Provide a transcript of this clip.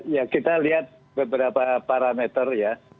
ya kita lihat beberapa parameter ya